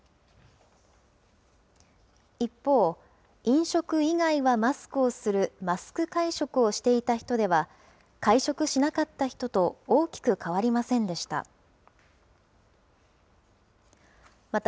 一方、飲食以外はマスクをするマスク会食をしていた人では、会食しなかった人と大きく変わりませんでした。